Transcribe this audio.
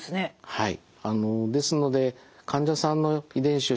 はい。